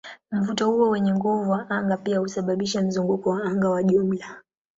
Mvuto huu wenye nguvu wa anga pia husababisha mzunguko wa anga wa jumla.